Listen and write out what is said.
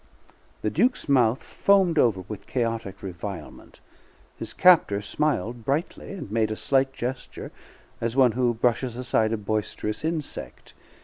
The Duke's mouth foamed over with chaotic revilement. His captor smiled brightly, and made a slight gesture, as one who brushes aside a boisterous insect.